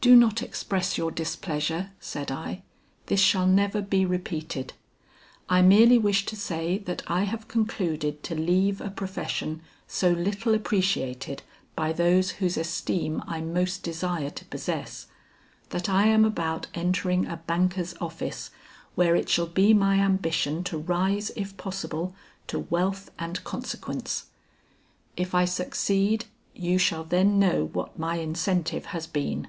"Do not express your displeasure," said I, "this shall never be repeated. I merely wish to say that I have concluded to leave a profession so little appreciated by those whose esteem I most desire to possess; that I am about entering a banker's office where it shall be my ambition to rise if possible, to wealth and consequence. If I succeed you shall then know what my incentive has been.